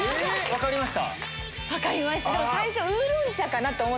分かりました。